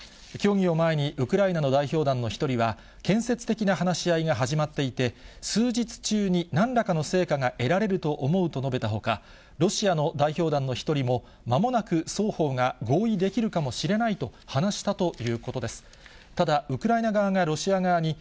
協議を前に、ウクライナの代表団の１人は、建設的な話し合いが始まっていて、数日中になんらかの成果が得られると思うと述べたほか、ロシアの代表団の１人も、まもなく双方が合意できるかもしれないと話したということです。